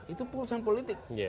itu keputusan politik